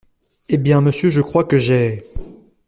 Eh bien, monsieur, je crois que j’ai…